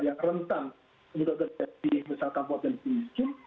yang rentan untuk kerja di misalkan potensi miskin